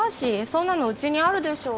そんなのうちにあるでしょ？